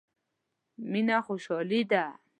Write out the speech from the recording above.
مينه خوشالي ده.